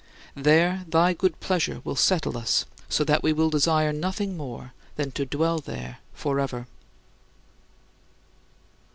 " There thy good pleasure will settle us so that we will desire nothing more than to dwell there forever.